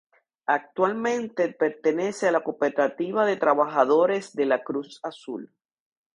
Actualmente pertenece a la Cooperativa de Trabajadores de la Cruz Azul.